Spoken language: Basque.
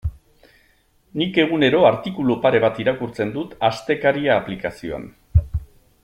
Nik egunero artikulu pare bat irakurtzen dut Astekaria aplikazioan.